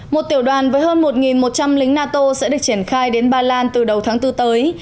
một tiểu đoàn với hơn một một trăm linh lính nato sẽ được triển khai đến ba lan từ đầu tháng bốn tới